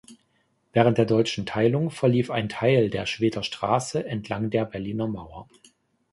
Während der deutschen Teilung verlief ein Teil der Schwedter Straße entlang der Berliner Mauer.